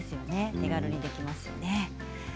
手軽にできますね。